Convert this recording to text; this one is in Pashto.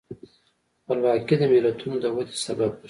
خپلواکي د ملتونو د ودې سبب ګرځي.